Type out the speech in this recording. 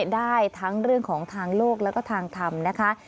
ได้ทั้งเรื่องของทางโลกแล้วก็ทางธรรมนะคะ